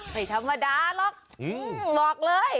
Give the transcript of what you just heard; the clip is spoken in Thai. ไม่ธรรมดาหรอกบอกเลย